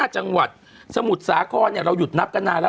๔๕จังหวัดสมุดสาข้อนี่เราหยุดนับกันได้แล้ว